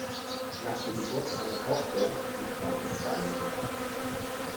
Nach der Geburt einer Tochter entstanden Spannungen.